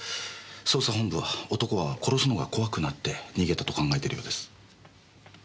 捜査本部は男は殺すのが怖くなって逃げたと考えてるようです。